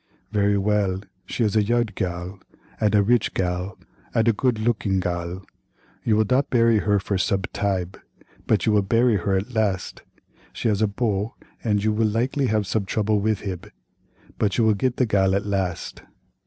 Very well, she is a youdg gal, ad a rich gal, ad a good lookidg gal; you will dot barry her for sobe tibe, but you will barry her at last. She has a beau ad you will likely have sobe trouble with hib, but you will get the gal at last.